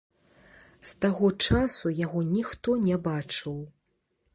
З таго часу яго ніхто не бачыў.